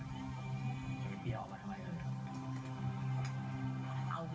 ไม่มีเปลี่ยนออกมาทำไมเลยครับ